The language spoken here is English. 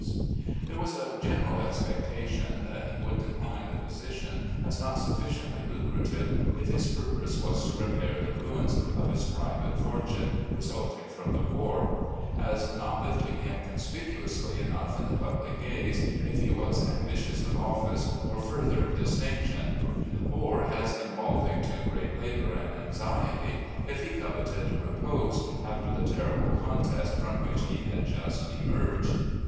"There was a general expectation that he would decline the position as not sufficiently lucrative, if his purpose was to repair the ruins of his private fortune resulting from the war; as not lifting him conspicuously enough in the public gaze, if he was ambitious of office or further distinction ; or as involving too great labour and anxiety, if he coveted repose after the terrible contest from which he had just emerged."